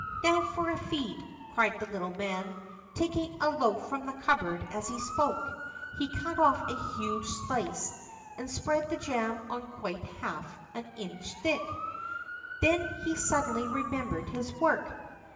"Now for a feed!" cried the little man, taking a loaf from the cupboard as he spoke. He cut off a huge slice, and spread the jam on quite half an inch thick; then he suddenly remembered his work.